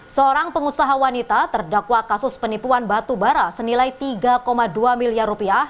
seorang pengusaha wanita terdakwa kasus penipuan batu bara senilai tiga dua miliar rupiah